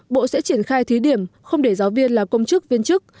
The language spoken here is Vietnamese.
bộ sẽ triển khai thí điểm không để giáo viên là công chức viên chức